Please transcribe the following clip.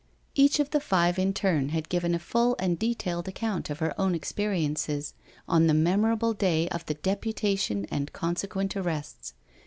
Each of the five in turn had given a full and detailed account of her own experiences on the memorable day of the deputation and consequent arrests.